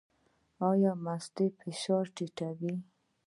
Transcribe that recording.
ایا مستې فشار ټیټوي؟